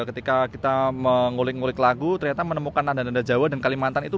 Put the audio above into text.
ketika kita mengulik ulik lagu ternyata menemukan nada nada jawa dan kalimantan itu